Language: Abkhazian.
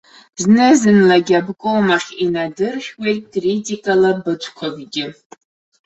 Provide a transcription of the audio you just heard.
Зны-зынлагьы аобком ахь инадыршәуеит критикалабыҵәқәакгьы.